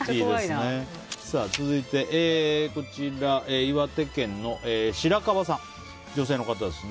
続いて、岩手県の女性の方です。